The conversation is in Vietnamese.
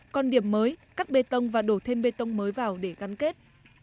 còn điểm mới cắt bê tông và đổ thêm bê tông mới vào để gắn kết